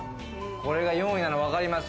これが４位なの分かります。